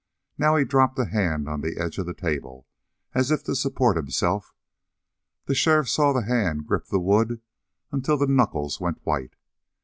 Now he dropped a hand on the edge of the table, as if to support himself. The sheriff saw that hand grip the wood until the knuckles went white.